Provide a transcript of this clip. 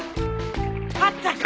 あったか？